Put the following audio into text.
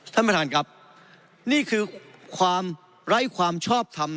ท่านประธานครับนี่คือความไร้ความชอบทำ